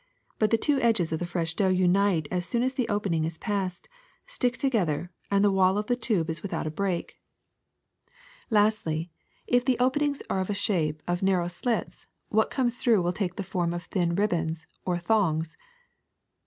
But the two edges of the fresh dough unite as soon as the opening is passed, stick together, and the wall of the tube is without a break, 268 THE SECRET OF EVERYDAY THINGS *^ Lastly, if the openings are in the shape of nar row slits, what comes through will take the form of thin ribbons or thongs."